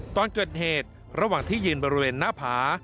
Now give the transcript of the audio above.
ตอนเกิดเหตุระหว่างที่ยืนบริเวณหน้าผา